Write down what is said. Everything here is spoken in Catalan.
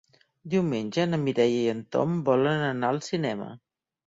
Diumenge na Mireia i en Tom volen anar al cinema.